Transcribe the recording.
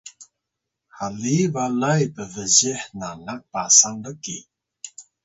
haliy balay pbzih nanak Pasang lki